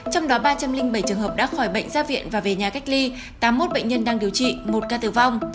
trong đó ba trăm linh bảy trường hợp đã khỏi bệnh ra viện và về nhà cách ly tám mươi một bệnh nhân đang điều trị một ca tử vong